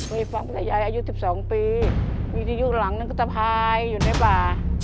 มีฟังกับยายอายุ๑๒ปีมีที่ยุคหลังนั้นก็จะพายอยู่ในบ้าน